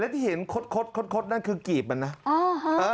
ที่เห็นคดนั่นคือกีบมันนะ